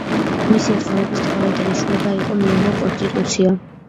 მისი მთავრობის მთავარი დანიშნულება იყი მიეღო კონსტიტუცია.